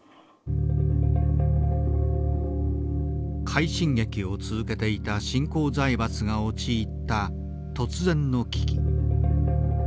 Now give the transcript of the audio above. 快進撃を続けていた新興財閥が陥った突然の危機。